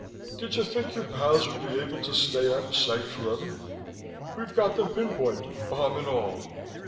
Did you think your pals would be able to stay out of sight forever? We've got them pinpointed, bomb and all."